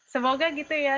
semoga gitu ya